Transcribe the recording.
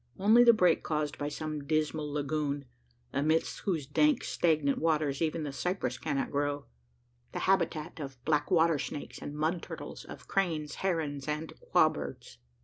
Only the break caused by some dismal lagoon, amidst whose dank stagnant waters even the cypress cannot grow the habitat of black water snakes and mud turtles of cranes, herons, and Qua birds.